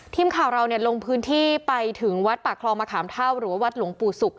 ทีมข่าวเราลงพื้นที่ไปถึงวัดปากคลองมะขามเท่าหรือว่าวัดหลวงปู่ศุกร์